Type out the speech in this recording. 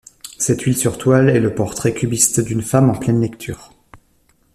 Cette huile sur toile est le portrait cubiste d'une femme en pleine lecture.